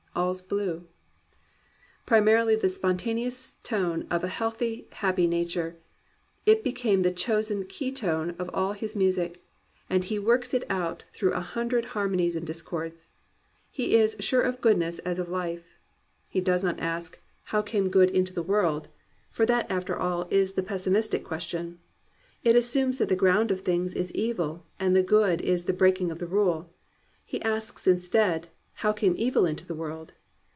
All's blue " primarily the spontaneous tone of a healthy, happy nature, it became the chosen key note of all his music, and he works it out through a hundred har monies and discords. He is "sure of goodness as of life." He does not ask "How came good into * Asolando, "Reverie." 272 •*GLORY OF THE IMPERFECT'^ the world?" For that, after all, is the pessimistic question; it assumes that the ground of things is evil and the good is the breaking of the rule. He asks instead "How came evil into the world